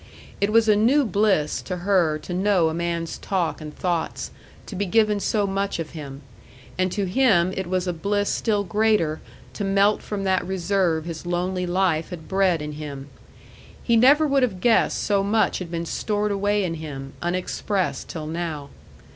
It was a new bliss to her to know a man's talk and thoughts, to be given so much of him; and to him it was a bliss still greater to melt from that reserve his lonely life had bred in him. He never would have guessed so much had been stored away in him, unexpressed till now.